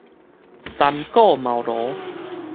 三顧茅蘆